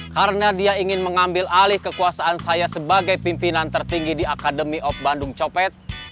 karena dia ingin mengambil alih kekuasaan saya sebagai pimpinan tertinggi di akademi ob bandung copet